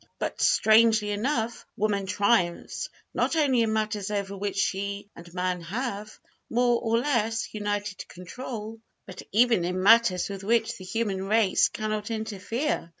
But, strangely enough, woman triumphs, not only in matters over which she and man have, more or less, united control, but even in matters with which the human race cannot interfere.